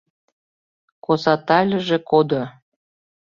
Косатальыже кодо.